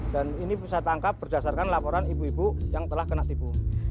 dan ini bisa tangkap berdasarkan laporan ibu ibu yang telah kena tipu